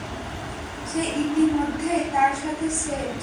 সে ইতিমধ্যেই তার সাথে সেট।